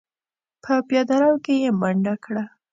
په پياده رو کې يې منډه کړه.